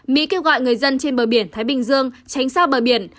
mỹ kêu gọi người dân trên bờ biển thái bình dương tránh xa bờ biển